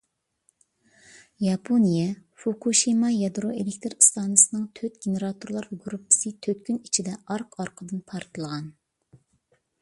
ياپونىيە فۇكۇشىما يادرو ئېلېكتىر ئىستانسىسىنىڭ تۆت گېنېراتورلار گۇرۇپپىسى تۆت كۈن ئىچىدە ئارقا-ئارقىدىن پارتلىغان.